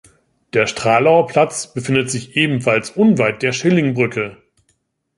Der Stralauer Platz befindet sich ebenfalls unweit der Schillingbrücke.